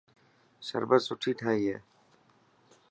شربت سٺي ٺاهي هي.